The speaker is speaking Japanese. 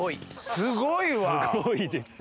すごいですね。